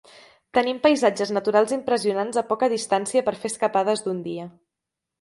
Tenim paisatges naturals impressionants a poca distància per fer escapades d'un dia.